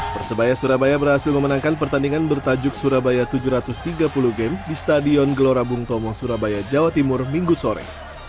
persebaya surabaya berhasil memenangkan pertandingan bertajuk surabaya tujuh ratus tiga puluh game di stadion gelora bung tomo surabaya jawa timur minggu sore